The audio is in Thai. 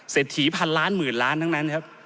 เศรษฐีพันล้านหมื่นล้านทั้งนั้นครับ